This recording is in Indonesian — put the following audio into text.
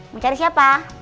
mau cari siapa